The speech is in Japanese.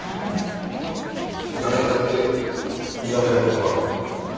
誰にだって苦手な事はある。